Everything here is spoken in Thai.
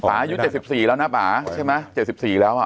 ป่ายุด๗๔แล้วนะป่าใช่ไหม๗๔แล้ว